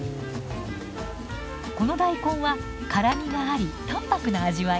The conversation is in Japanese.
この大根は辛みがあり淡白な味わい。